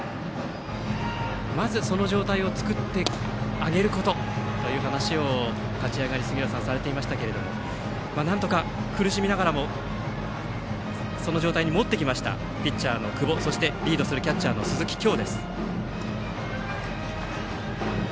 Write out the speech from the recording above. まず、その状態を作ってあげることという話を立ち上がり、杉浦さんはされていましたがなんとか苦しみながらもその状態に持ってきましたピッチャーの久保そしてリードするキャッチャーの鈴木叶。